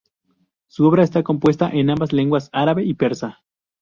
Su obra está compuesta en ambas lenguas: árabe y persa.